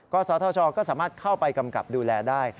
ศธชก็สามารถเข้าไปกำกับดูแลได้